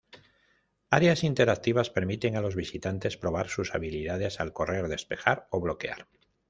Áreas interactivas permiten a los visitantes probar sus habilidades al correr, despejar o bloquear.